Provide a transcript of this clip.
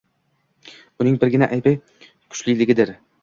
Uning birgina aybi kuchliligidir.